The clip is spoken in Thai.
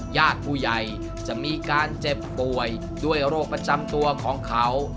ญาติผู้ใหญ่จะมีการเจ็บป่วยด้วยโรคประจำตัวของเขา